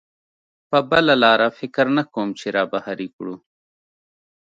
په بله لاره فکر نه کوم چې را بهر یې کړو.